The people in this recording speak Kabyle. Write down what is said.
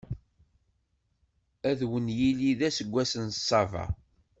Ad wen-yili d aseggas n Ṣṣaba.